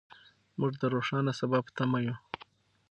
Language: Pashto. موږ د روښانه سبا په تمه یو.